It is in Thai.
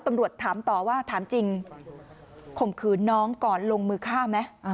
ตำรวจถามต่อว่าถามจริงข่มขืนน้องก่อนลงมือฆ่าไหม